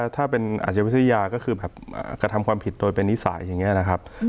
ถ้าเป็นอาชวิทยาก็คือแบบกระทำความผิดโดยเป็นนิสัยอย่างนี้นะครับ